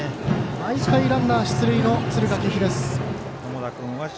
毎回ランナー出塁の敦賀気比。